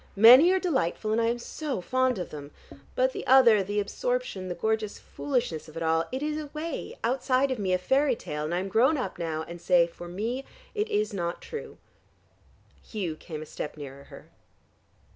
Many are delightful and I am so fond of them. But the other, the absorption, the gorgeous foolishness of it all, it is away outside of me, a fairy tale and I am grown up now and say, 'For me it is not true.'" Hugh came a step nearer her.